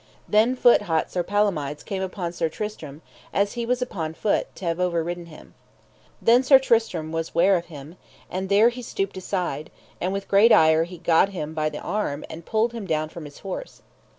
Then foot hot Sir Palomides came upon Sir Tristram, as he was upon foot, to have overridden him. Then Sir Tristram was ware of him, and there he stooped aside, and with great ire he gat him by the arm, and pulled him down from his horse.